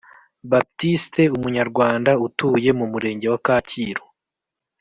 Baptiste umunyarwanda utuye mu murenge wa kacyiru